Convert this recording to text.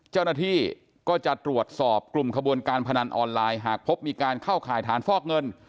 เจ้าหน้าที่ก็จะตรวจสอบกลุ่มขบวนการพนันออนไลน์หากพบมีการเข้าข่ายฐานฟอกเงิน